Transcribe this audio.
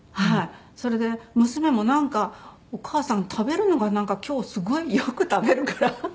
それで娘もなんか「お母さん食べるのがなんか今日すごい」よく食べるから。